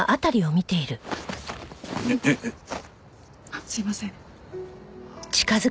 あっすみません。